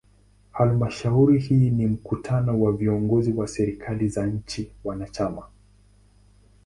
Halmashauri hii ni mkutano wa viongozi wa serikali za nchi wanachama.